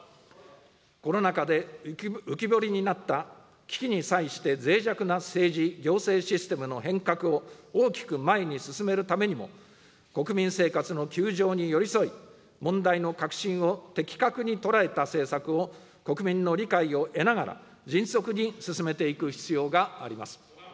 コロナ禍で浮き彫りになった危機に際してぜい弱な政治・行政システムの変革を大きく前に進めるためにも、国民生活の窮状に寄り添い、問題の核心を的確に捉えた政策を、国民の理解を得ながら、迅速に進めていく必要があります。